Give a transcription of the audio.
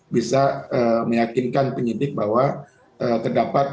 bisa meyakinkan penyidik bahwa terdapat